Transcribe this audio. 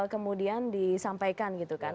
kemudian disampaikan gitu kan